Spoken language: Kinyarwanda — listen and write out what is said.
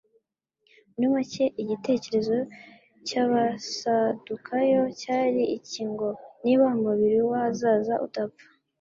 Muri make igitekerezo cy'abasadukayo cyari iki ngo: Niba umubiri w'ahazaza udapfa,